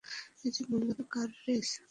এটি মূলত car race.